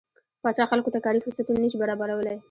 پاچا خلکو ته کاري فرصتونه نشي برابرولى.